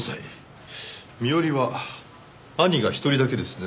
身寄りは兄が１人だけですね。